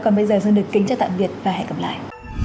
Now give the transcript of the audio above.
còn bây giờ xin được kính chào tạm biệt và hẹn gặp lại